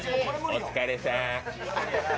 お疲れさーん。